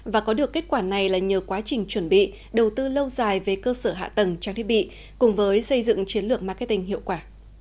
và có được kết quả này là nhờ quá trình chuẩn bị đầu tư lâu dài về cơ sở hạ tầng trang thiết bị cùng với xây dựng chiến lược marketing hiệu quả